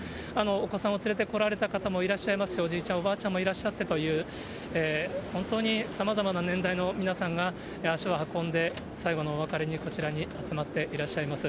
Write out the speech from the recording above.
お子さんを連れてこられた方もいらっしゃいますし、おじいちゃん、おばあちゃんもいらっしゃってという、本当にさまざまな年代の皆さんが足を運んで、最後のお別れに、こちらに集まっていらっしゃいます。